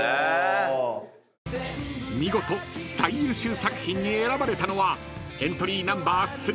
［見事最優秀作品に選ばれたのはエントリーナンバー３